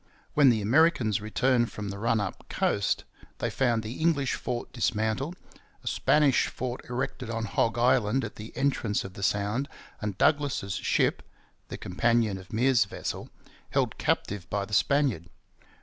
When the Americans returned from the run up coast, they found the English fort dismantled, a Spanish fort erected on Hog Island at the entrance of the sound, and Douglas's ship the companion of Meares's vessel held captive by the Spaniard.